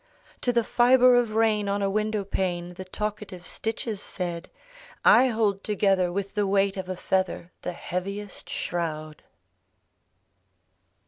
To the fibre of rain on a window paiie The talkative stitches said: / hold together with the weight of a feather The heaviest shroud!